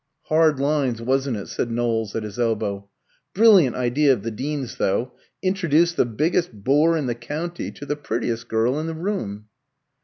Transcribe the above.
"Hard lines, wasn't it?" said Knowles at his elbow. "Brilliant idea of the Dean's, though introduce the biggest bore in the county to the prettiest girl in the room."